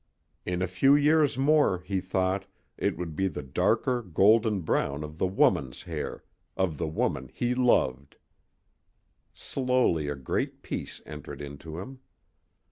In a few years more, he thought, it would be the darker gold and brown of the woman's hair of the woman he loved. Slowly a great peace entered into him.